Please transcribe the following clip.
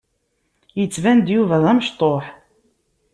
Yettban-d Yuba d amecṭuḥ.